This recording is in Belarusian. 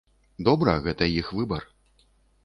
Добра, гэта іх выбар.